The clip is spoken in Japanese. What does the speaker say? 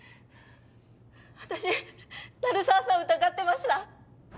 私鳴沢さんを疑ってました